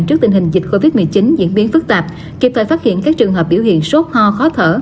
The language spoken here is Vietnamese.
trước tình hình dịch covid một mươi chín diễn biến phức tạp kịp thời phát hiện các trường hợp biểu hiện sốt ho khó thở